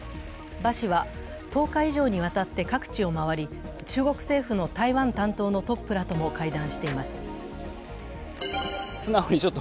馬氏は１０日以上にわたって各地を回り、中国政府の台湾担当のトップらとも会談しています。